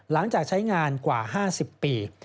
หลังจากใช้งานกว่า๕๐ปี